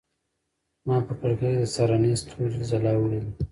ما په کړکۍ کې د سهارني ستوري ځلا ولیده.